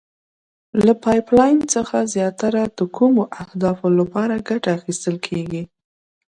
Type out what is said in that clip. له پایپ لین څخه زیاتره د کومو اهدافو لپاره ګټه اخیستل کیږي؟